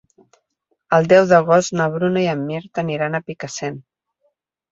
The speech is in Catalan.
El deu d'agost na Bruna i en Mirt aniran a Picassent.